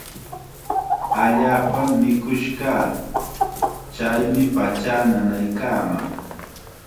Allaapam mikush kaa. Chaymi pachaa nanaykaaman.